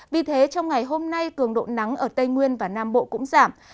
vì thế trong ngày hôm nay cường độ nắng ở tây nguyên và nam bộ cũng giảm